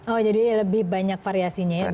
oh jadi lebih banyak variasinya ya bisa di play